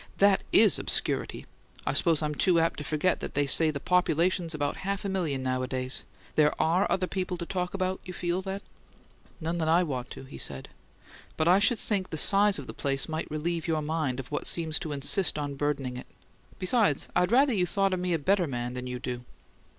"That IS obscurity! I suppose I'm too apt to forget that they say the population's about half a million nowadays. There ARE other people to talk about, you feel, then?" "None that I want to," he said. "But I should think the size of the place might relieve your mind of what seems to insist on burdening it. Besides, I'd rather you thought me a better man than you do."